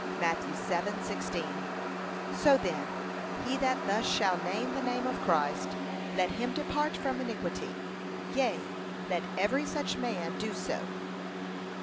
(Matt. 7:16) So then, he that thus shall name the name of Christ, let him depart from iniquity: yea, let every such man do so.